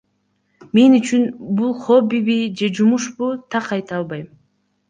Мен үчүн бул хоббиби же жумушпу так айта албайм.